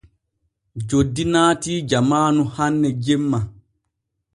Joddi naati jamaanu hanne jemma.